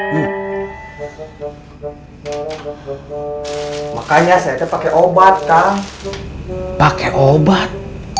wih makanya saya pakai obat kan pakai obat